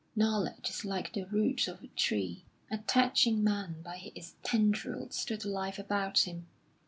Knowledge is like the root of a tree, attaching man by its tendrils to the life about him.